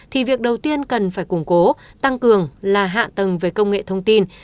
thì việc đầu tiên cần phải củng cố tăng cường là hạ tầng về công nghệ thông tin